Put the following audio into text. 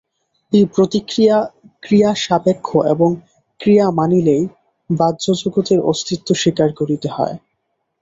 এই প্রতিক্রিয়া ক্রিয়া-সাপেক্ষ এবং ক্রিয়া মানিলেই বাহ্য জগতের অস্তিত্ব স্বীকার করিতে হয়।